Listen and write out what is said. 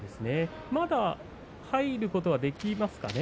まだ入ることはできますかね？